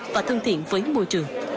và thân thiện với môi trường